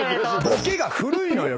ボケが古いのよ！